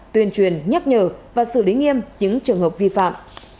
tuyên truyền nhắc nhở và xử lý nghiêm những trường hợp vi phạm